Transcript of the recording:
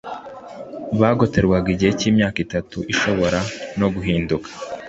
bagatorerwa igihe cy imyaka itatu ishobora no guhinduka